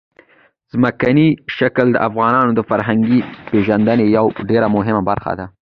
ځمکنی شکل د افغانانو د فرهنګي پیژندنې یوه ډېره مهمه برخه ده.